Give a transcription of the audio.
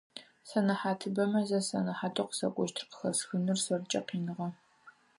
Сэнэхьатыбэмэ зы сэнэхьатэу къысэкӏущтыр къахэсхыныр сэркӏэ къиныгъэ.